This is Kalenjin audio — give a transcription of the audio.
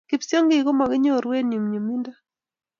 Kipsyongik ko makinyoru eng' nyumnyumindo